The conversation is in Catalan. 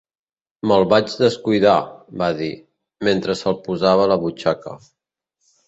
"Me'l vaig descuidar", va dir, mentre se'l posava a la butxaca.